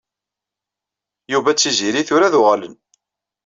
Yuba d Tiziri tura ad uɣalen.